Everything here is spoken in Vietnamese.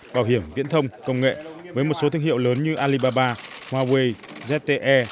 bảo hiểm viễn thông công nghệ với một số thương hiệu lớn như alibaba huawei zte